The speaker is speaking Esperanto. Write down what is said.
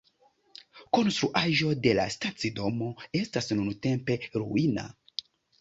Konstruaĵo de la stacidomo estas nuntempe ruina.